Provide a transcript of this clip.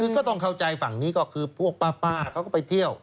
ก็ต้องเข้าใจฝั่งนี้ก็คือพวกป้าเขาก็ไปเที่ยว